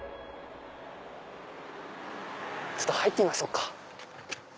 ちょっと入ってみましょうか。